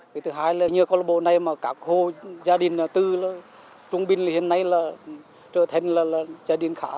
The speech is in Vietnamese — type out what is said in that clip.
cái thứ hai là như câu lạc bộ này mà các khu gia đình tư trung bình hiện nay là trở thành là gia đình khá